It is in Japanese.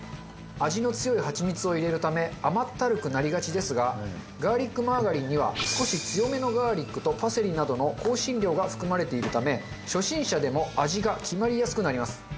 味の強いハチミツを入れるため甘ったるくなりがちですがガーリックマーガリンには少し強めのガーリックとパセリなどの香辛料が含まれているため初心者でも味が決まりやすくなります。